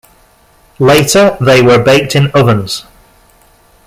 Later they were baked in ovens.